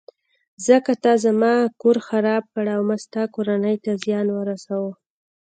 ځکه تا زما کور خراب کړ او ما ستا کورنۍ ته زیان ورساوه.